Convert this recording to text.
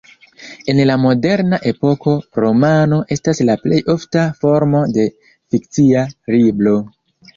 En la moderna epoko romano estas la plej ofta formo de fikcia libro.